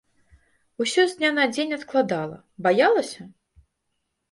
Усё з дня на дзень адкладала, баялася?